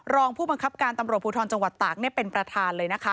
รองผู้บังคับการตำรวจภูทรจังหวัดตากเป็นประธานเลยนะคะ